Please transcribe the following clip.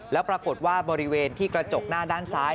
แล้วปรากฏว่าบริเวณที่กระจกหน้าด้านซ้าย